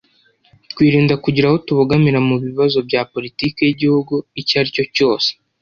twirinda kugira aho tubogamira mu bibazo bya politiki y’igihugu icyo ari cyo cyose